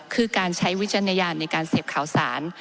คือการใช้วิจารณญาณในการเสพข่าวสาร